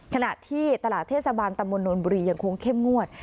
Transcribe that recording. ขณะที่ตลาดเทศบาลตำบลนบุรียังคงเข้มงวด